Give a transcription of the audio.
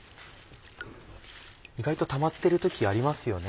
意外とたまってる時ありますよね。